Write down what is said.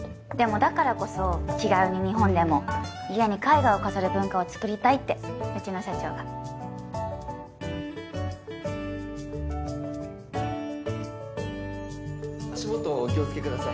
だからこそ気軽に日本でも家に絵画を飾る文化をつくりたいってうちの社長が足元お気をつけください